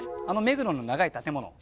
あの目黒の長い建物